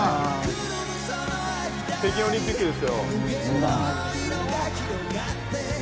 北京オリンピックですよ。